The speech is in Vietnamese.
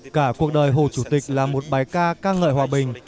cả cuộc đời hồ chủ tịch là một bài ca ca ngợi hòa bình